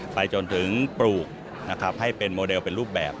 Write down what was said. ไปจนถึงปลูกนะครับให้เป็นโมเดลเป็นรูปแบบ